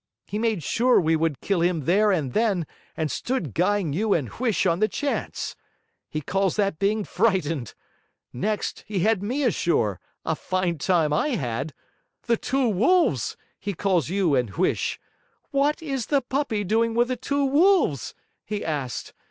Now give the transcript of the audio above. He made sure we would kill him there and then, and stood guying you and Huish on the chance. He calls that being frightened! Next he had me ashore; a fine time I had! THE TWO WOLVES, he calls you and Huish. WHAT IS THE PUPPY DOING WITH THE TWO WOLVES? he asked.